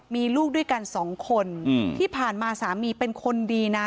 มีลูกด้วยกันสองคนที่ผ่านมาสามีเป็นคนดีนะ